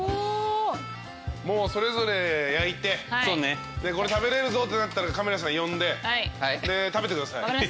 もうそれぞれ焼いてこれ食べれるぞってなったらカメラさん呼んでで食べてください。